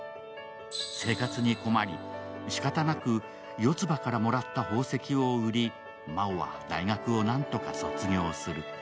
生活に困り、しかたなく四葉からもらった宝石を売り、真央は大学を何とか卒業する。